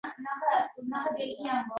Ie, nega qadaming tortmaydi?